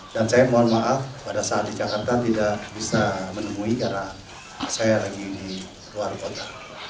dan saya mohon maaf pada saat di jakarta tidak bisa menemui karena saya lagi di luar kota